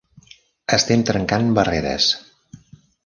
Estem trencant barreres.